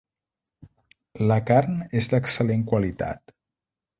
La carn és d'excel·lent qualitat.